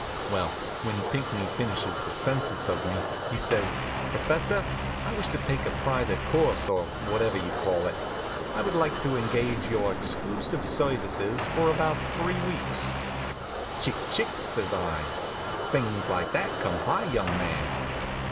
Well, when Pinckney finishes his census of me he says: "Professor, I wish to take a private course, or whatever you call it. I would like to engage your exclusive services for about three weeks." "Chic, chic!" says I. "Things like that come high, young man."